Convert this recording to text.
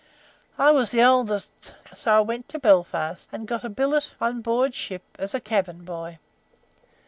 I was the oldest, so I went to Belfast and got a billet on board ship as cabin boy.